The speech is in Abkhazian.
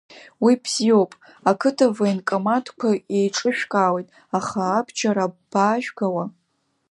Уи бзиоуп, ақыҭа военкоматқәа еиҿышәкаауеит, аха абџьар абаажәгауа?